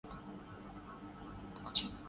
ایک بات واضح ہے۔